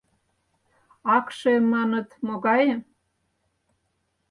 — Акше, маныт, могае?